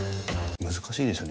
難しいですよね。